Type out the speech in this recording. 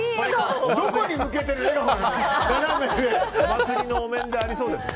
どこに向けての笑顔だよ！